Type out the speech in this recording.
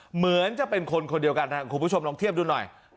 เหมือนจะเป็นคนคนเดียวกันครับคุณผู้ชมลองเทียบดูหน่อย